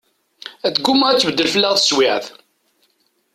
A tegguma ad tbeddel fell-aɣ teswiɛt.